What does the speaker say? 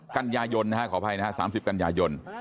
๓๐กัญญายนนะครับขออภัยนะ๓๐กัญญายน